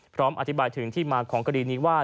พร้อมอธิบายถึงที่มาของคดีนี้ว่า